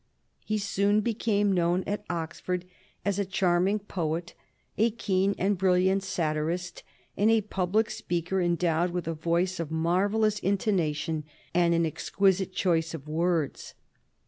He soon became known at Oxford as a charming poet, a keen and brilliant satirist, and a public speaker endowed with a voice of marvellous intonation and an exquisite choice of words.